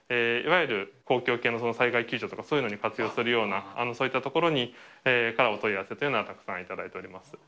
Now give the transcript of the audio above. いわゆる公共系の災害救助とかそういうのに活用するような、そういったところからのお問い合わせというのはたくさん頂いております。